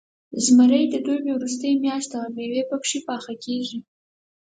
زمری د دوبي وروستۍ میاشت ده، او میوې پکې پاخه کېږي.